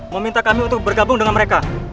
meminta kami untuk bergabung dengan mereka